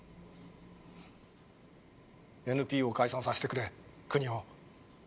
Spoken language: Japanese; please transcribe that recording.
ＮＰＯを解散させてくれ国男。